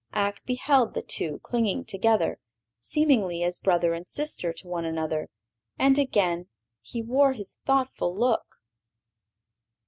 Ak beheld the two clinging together, seemingly as brother and sister to one another, and again he wore his thoughtful look.